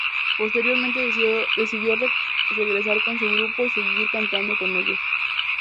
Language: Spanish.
Posteriormente decidió regresar con su grupo y seguir cantando con ellos.